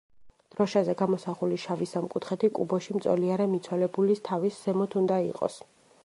დროშაზე გამოსახული შავი სამკუთხედი კუბოში მწოლიარე მიცვალებულის თავის ზემოთ უნდა იყოს.